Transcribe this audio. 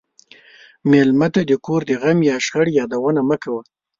مېلمه ته د کور د غم یا شخړې یادونه مه کوه.